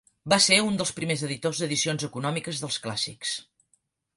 Va ser un dels primers editors d'edicions econòmiques dels clàssics.